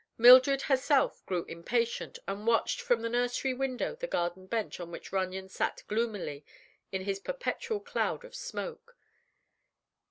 Mildred herself grew impatient and watched from the nursery window the garden bench on which Runyon sat gloomily in his perpetual cloud of smoke.